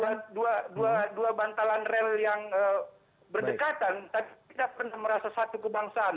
jadi ibarat dua bantalan rel yang berdekatan tapi kita pernah merasa satu kebangsaan